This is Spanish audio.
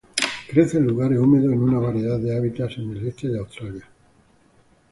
Crece en lugares húmedos en una variedad de hábitats en el este de Australia.